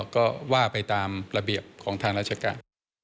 ก็ว่าไปตามระเบียบของทางราชการ